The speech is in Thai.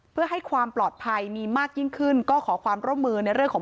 เพื่อให้ความปลอดภัยมีมากยิ่งขึ้นก็ขอความร่วมมือในเรื่องของ